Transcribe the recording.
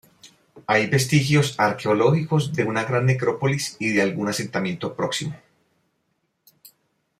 Hay vestigios arqueológicos de una gran necrópolis y de algún asentamiento próximo.